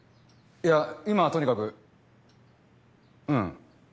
いや今はとにかくうん。